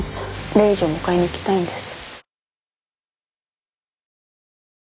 レイジを迎えに行きたいんです。